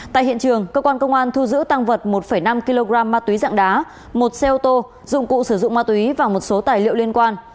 tại hiện trường cơ quan công an thu giữ tăng vật một năm kg ma túy dạng đá một xe ô tô dụng cụ sử dụng ma túy và một số tài liệu liên quan